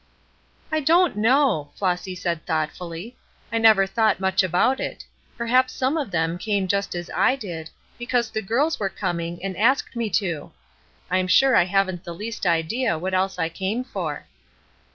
"I don't know," Flossy said thoughtfully, "I never thought much about it. Perhaps some of them came just as I did, because the girls were coming and asked me to. I'm sure I haven't the least idea what else I came for."